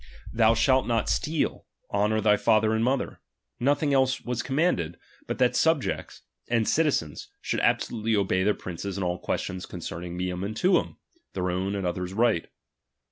Thou skalt not ii .Mho steal, Honour thy father and mother ; nothing ^ .ia else was commanded, but that subjects, and citi ""*"" zens, should absolutely obey their princes in all questions concerning meutn and tuum, their own and others" right.